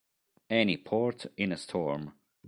Any Port in a Storm